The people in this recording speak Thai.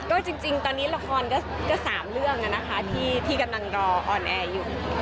ก็จริงตอนนี้ละครก็๓เรื่องนะคะที่กำลังรอออนแอร์อยู่